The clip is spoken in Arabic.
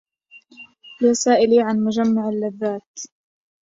يا سائلي عنْ مجمع اللذّاتِ